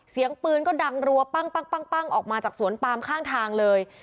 เสียงปืนก็ดังรัวปั้งออกมาจากสวนปามข้างทางเลย